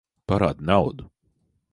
Parādi naudu!